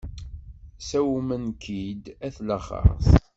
Sawmen-k-id at laxeṛt.